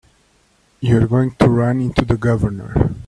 You're going to run into the Governor.